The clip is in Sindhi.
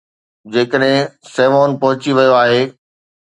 جيڪڏهن Savon پهچي ويو آهي.